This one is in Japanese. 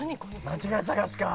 間違い探しか。